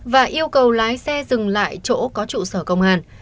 và yêu cầu lái xe dừng lại chỗ có trụ sở công an